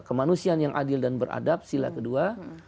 kemanusiaan yang adil dan beradab sila kedua